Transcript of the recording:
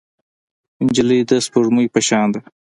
نجلۍ د سپوږمۍ په شان ده.